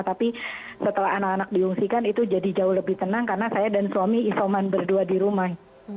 tapi setelah anak anak diungsikan itu jadi jauh lebih tenang karena saya dan suami isoman berdua di rumah